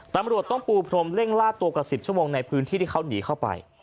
ตำรวจต้องปูพรมเร่งล่าตัวกว่า๑๐ชั่วโมงในพื้นที่ที่เขาหนีเข้าไป